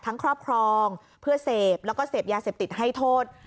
ครอบครองเพื่อเสพแล้วก็เสพยาเสพติดให้โทษ